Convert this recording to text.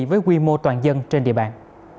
với quy mô toàn dân trên địa bàn